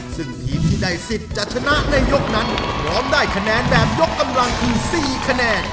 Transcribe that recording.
ซึ่งทีมที่ได้สิทธิ์จะชนะในยกนั้นพร้อมได้คะแนนแบบยกกำลังคือ๔คะแนน